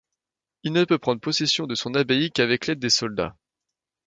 Il ne peut prendre possession de son abbaye qu'avec l'aide de soldats.